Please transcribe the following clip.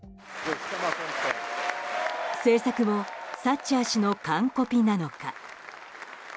政策もサッチャー氏の完コピなのか。